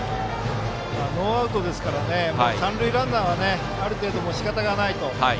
ノーアウトですから三塁ランナーはある程度、仕方ないと。